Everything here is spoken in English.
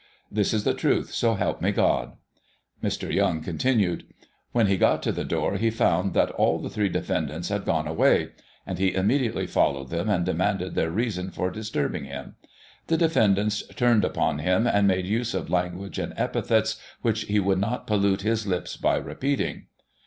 This is the truth. So help me, God Mr. Yoimg continued : When he got to the door, he found that all the three defendants had gone away ; and he imme diately followed them, and demanded their reason for dis turbing him. The defendants turned upon him, and made use of language and epithets which he would not pollute his lips by repeating.